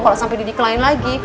kalau sampai di decline lagi